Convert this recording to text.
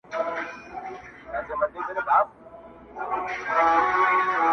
کله نا کله به راتلل ورته د ښار مېلمانه؛